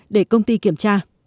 để công ty kiểm tra